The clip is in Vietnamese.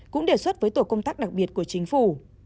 cũng đề xuất với tổ công tác đặc biệt của chính phủ